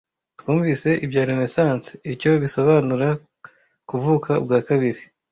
Twumvise ibya Renaissance - icyo bisobanura Kuvuka ubwa kabiri